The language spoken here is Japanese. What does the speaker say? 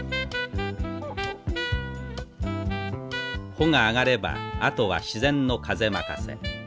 帆が上がればあとは自然の風任せ。